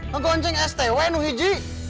nggoncengin stw nuh hiji